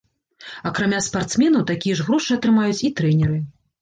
Акрамя спартсменаў, такія ж грошы атрымаюць і трэнеры.